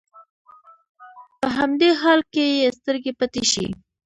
په همدې حال کې يې سترګې پټې شي.